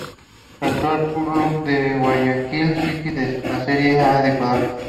Su actual Club es Guayaquil City de la Serie A de Ecuador.